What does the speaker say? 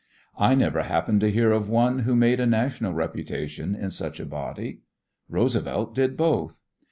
I never happened to hear of one who made a national reputation in such a body. Roosevelt did both.